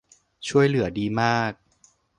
ช่วยเหลือดีมาก